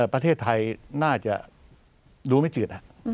ประเทศไทยน่าจะดูไม่จืด